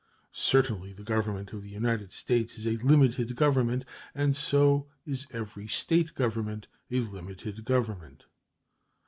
Certainly the Government of the United States is a limited government, and so is every State government a limited government.